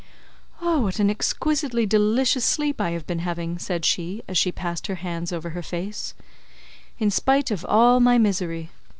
"What an exquisitely delicious sleep I have been having," said she, as she passed her hands over her face, "in spite of all my misery.